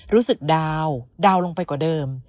รู้สึกดาวน์ดาวน์ลงไปกว่าเดิม